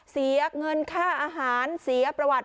เสียเงินค่าอาหารเสียประวัติ